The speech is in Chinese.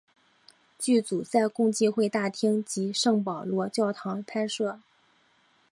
剧组在共济会大厅及圣保罗座堂拍摄。